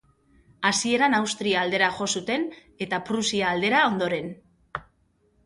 Hasieran Austria aldera jo zuten eta Prusia aldera ondoren.